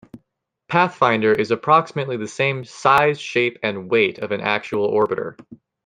"Pathfinder" is approximately the same size, shape and weight of an actual Orbiter.